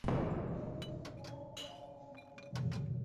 آیا دوی د مساوات لپاره کار نه کوي؟